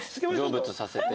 成仏させて。